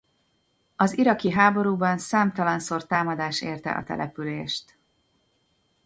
Az iraki háborúban számtalanszor támadás érte a települést.